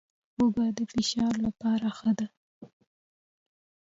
هوږه د فشار لپاره ښه ده